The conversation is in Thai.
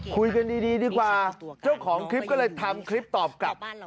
คุยกันดีดีกว่าเจ้าของคลิปก็เลยทำคลิปตอบกลับ